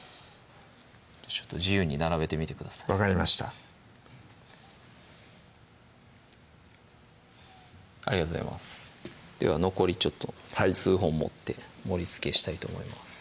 自由に並べてみてください分かりましたありがとうございますでは残りちょっと数本持って盛りつけしたいと思います